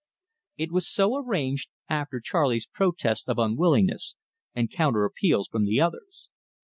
It was so arranged, after Charley's protests of unwillingness, and counter appeals from the others.